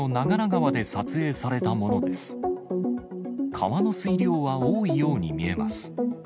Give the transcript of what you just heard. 川の水量は多いように見えます。